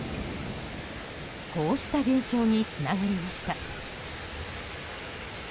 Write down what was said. こうした現象につながりました。